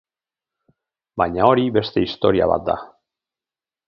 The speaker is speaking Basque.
Baina hori beste historia bat da.